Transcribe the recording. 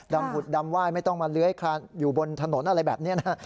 หุดดำไหว้ไม่ต้องมาเลื้อยคลานอยู่บนถนนอะไรแบบนี้นะฮะ